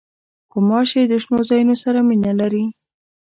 غوماشې د شنو ځایونو سره مینه لري.